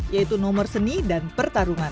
yaitu nomor seni dan pertarungan